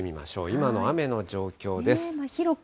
今の雨の状況です。